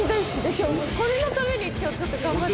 今日もうこれのためにちょっと頑張って。